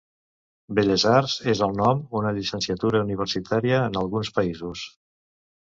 Belles arts és el nom una llicenciatura universitària en alguns països.